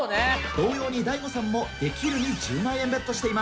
同様にＤＡＩＧＯさんも「できる」に１０万円ベットしています。